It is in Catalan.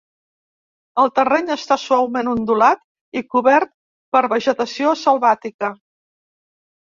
El terreny està suaument ondulat i cobert per vegetació selvàtica.